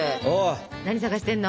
何探してんの？